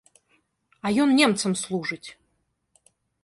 А ён немцам служыць!